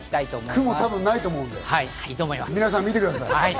雲、多分ないと思うのでみなさん、見てください。